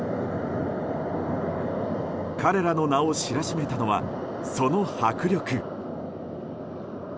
彼らの名を知らしめたのはその迫力。